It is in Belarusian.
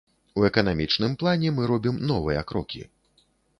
У эканамічным плане мы робім новыя крокі.